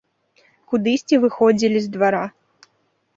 Кудысьці выходзілі з двара.